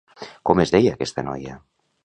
Com es deia aquesta noia?